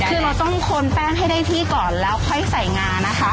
คือเราต้องโคนแป้งให้ได้ที่ก่อนแล้วค่อยใส่งานะคะ